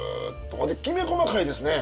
ほんできめ細かいですね！